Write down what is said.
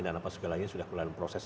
dan apa segalanya sudah mulai proses